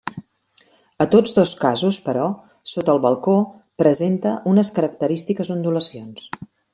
A tots dos casos, però, sota el balcó presenta unes característiques ondulacions.